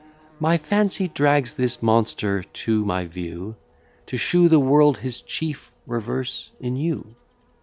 My fancy drags this monster to my view, To shew the world his chief reverse in you.